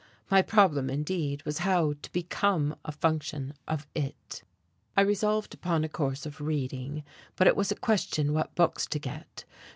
My problem, indeed, was how to become a function of it.... I resolved upon a course of reading, but it was a question what books to get.